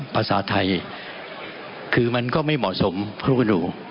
ภาษาไทยคือมันก็ไม่เหมาะสมกับพวกหนู